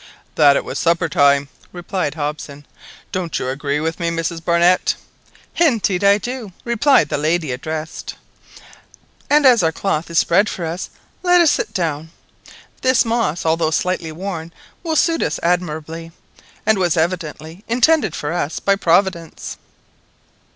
"That it was supper time," replied Hobson. "Don't you agree with me, Mrs Barnett?" "Indeed I do," replied the lady addressed, "and as our cloth is spread for us, let us sit down. This moss, although slightly worn, will suit us admirably, and was evidently intended for us by Providence."